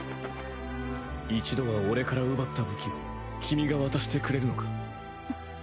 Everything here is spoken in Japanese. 一度は俺から奪った武器を君が渡してくれるのか？